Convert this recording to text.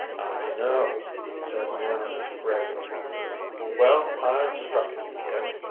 "I know," said Minot gravely. "Well, I've struck it, Dick.